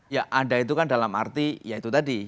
ya ada itu kan dalam arti ya itu tadi